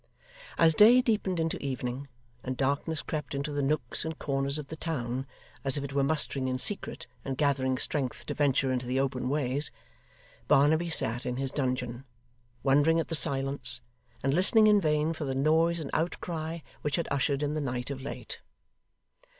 As day deepened into evening, and darkness crept into the nooks and corners of the town as if it were mustering in secret and gathering strength to venture into the open ways, Barnaby sat in his dungeon, wondering at the silence, and listening in vain for the noise and outcry which had ushered in the night of late.